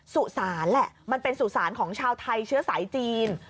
สุสานแหละมันเป็นสุสานของชาวไทยเชื้อสายจีน